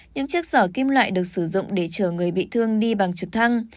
những chiếc giỏ kim loại được sử dụng để chờ người bị thương đi bằng trực thăng